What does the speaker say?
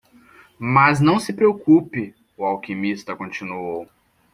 "Mas não se preocupe?" o alquimista continuou.